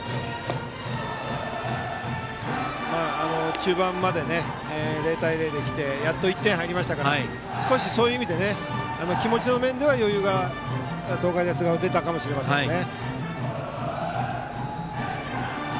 中盤まで０対０で来てやっと１点入りましたからそういう意味で気持ちの面では余裕が、東海大菅生の方に出たかもしれませんね。